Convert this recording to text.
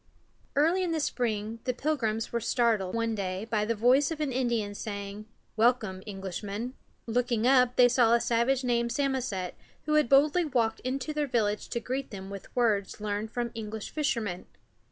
Early in the spring the Pilgrims were startled, one day, by the voice of an Indian saying: "Welcome, Englishmen." Looking up, they saw a savage named Sam´o set, who had boldly walked into their village to greet them with words learned from English fishermen.